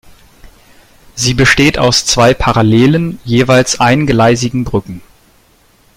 Sie besteht aus zwei parallelen, jeweils eingleisigen, Brücken.